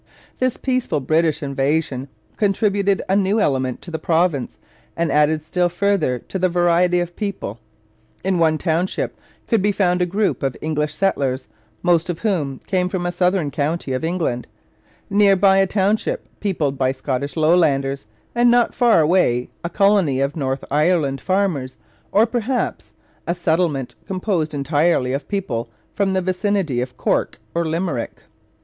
This peaceful British invasion contributed a new element to the province and added still further to the variety of the people. In one township could be found a group of English settlers, most of whom came from a southern county of England, near by a township peopled by Scottish Lowlanders, and not far away a colony of north of Ireland farmers, or perhaps a settlement composed entirely of people from the vicinity of Cork or Limerick.